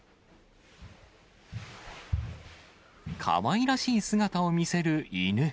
かわいらしい姿を見せる犬。